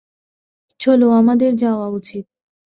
চলো, আমাদের যাওয়া উচিত।